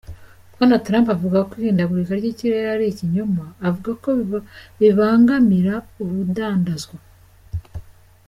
Bwana Trump avuga ko ihindagurika ry'ikirere ari ikinyoma, avuga ko bibangamira urudandazwa.